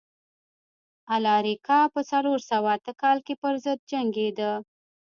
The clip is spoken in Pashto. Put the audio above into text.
الاریک په څلور سوه اته کال کې پرضد جنګېده.